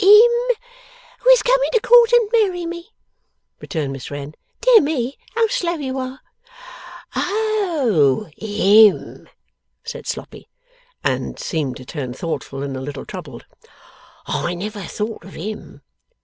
'Him who is coming to court and marry me,' returned Miss Wren. 'Dear me, how slow you are!' 'Oh! HIM!' said Sloppy. And seemed to turn thoughtful and a little troubled. 'I never thought of him.